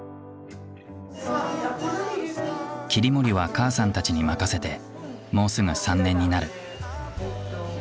切り盛りは母さんたちに任せてもうすぐ３年になる。